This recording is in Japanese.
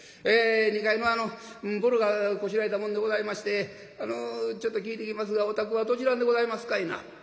２階のあのぼろがこしらえたもんでございましてあのちょっと聞いてきますがお宅はどちらはんでございますかいな？」。